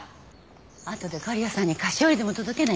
後で狩矢さんに菓子折りでも届けないとね。